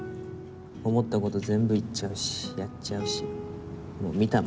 思った事全部言っちゃうしやっちゃうし見た